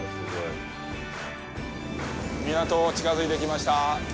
港が近づいてきましたー。